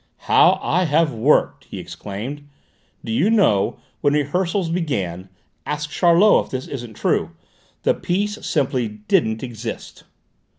"How I have worked!" he exclaimed: "do you know, when rehearsals began ask Charlot if this isn't true the piece simply didn't exist!"